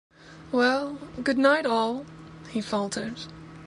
“Well — good-night, all!” he faltered.